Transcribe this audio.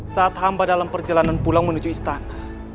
saat hamba dalam perjalanan pulang menuju istana